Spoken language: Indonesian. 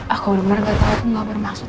aku benar benar gak tau aku gak bermaksud